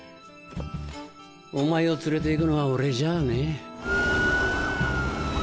お前を連れて行くのは俺じゃねえ。